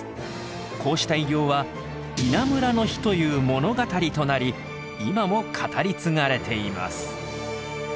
こうした偉業は「稲むらの火」という物語となり今も語り継がれています。